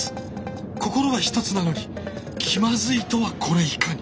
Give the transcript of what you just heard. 心はひとつなのに気まずいとはこれいかに！